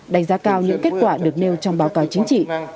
đánh giá cao những kết quả được nêu trong báo cáo chính trị